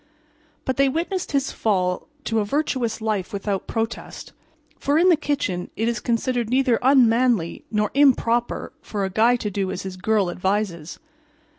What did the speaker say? But they witnessed his fall to a virtuous life without protest. For, in the Kitchen it is considered neither unmanly nor improper for a guy to do as his girl advises.